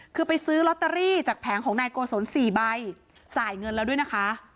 คือไปซื้อลอตเตอรี่จากแผงของนายโกศล๔ใบจ่ายเงินแล้วด้วยนะคะ